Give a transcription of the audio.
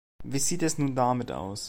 Wie sieht es nun damit aus?